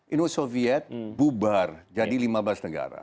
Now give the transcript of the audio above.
uni soviet bubar jadi lima belas negara